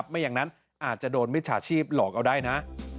ไม่อย่างนั้นอาจจะโดนมิจฉาชีพหลอกเอาได้นะ